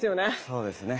そうですね。